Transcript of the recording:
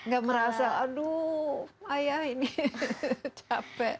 gak merasa aduh ayah ini capek